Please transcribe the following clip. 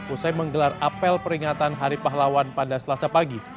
usai menggelar apel peringatan hari pahlawan pada selasa pagi